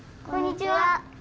こんにちは。